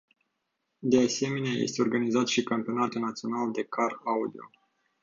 De asemenea este organizat și campionatul național de car-audio.